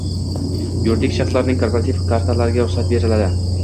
Yuridik shaxslarning korporativ kartalariga ruxsat beriladi